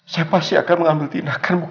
saya pasti akan mengambil tindakan